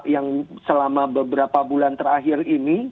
yang selama beberapa bulan terakhir ini